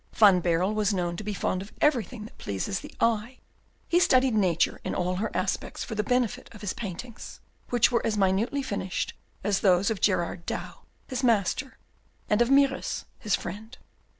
Van Baerle was known to be fond of everything that pleases the eye. He studied Nature in all her aspects for the benefit of his paintings, which were as minutely finished as those of Gerard Dow, his master, and of Mieris, his friend.